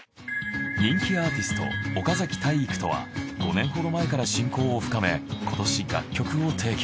人気アーティスト岡崎体育とは５年ほど前から親交を深め今年楽曲を提供。